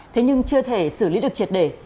thế nhưng chưa thể xử lý được triệt đề